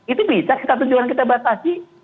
itu bisa kita tujuan kita batasi